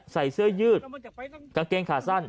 ใส่เสื้อยืดกางเกงขาสั้น